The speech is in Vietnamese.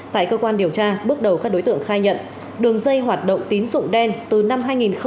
tại cơ quan điều tra bước đầu các đối tượng khai nhận đường dây hoạt động tín dụng đen từ năm hai nghìn một mươi